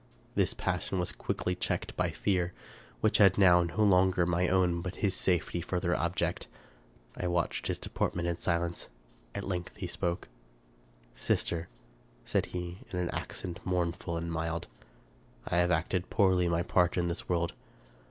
This passion was quickly checked by fear, which had now no longer my own but his safety for their object. I watched his deportment in silence. At length he spoke :— 294 Charles Brockdcn Brotvn " Sister," said he, in an accent mournful and mild, " I have acted poorly my part in this world.